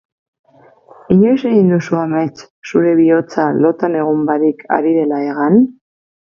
Inoiz egin duzu amets zure bihotza lotan egon barik ari dela hegan?